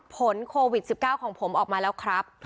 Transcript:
ผลโควิด๑๙ของผมออกมาแล้วครับ